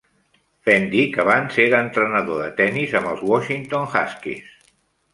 Fendick abans era entrenador de tenis amb els Washington Huskies.